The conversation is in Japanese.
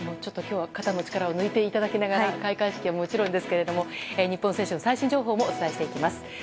今日は肩の力を抜いていただきながら開会式はもちろんですが日本選手の最新情報もお伝えしていきます。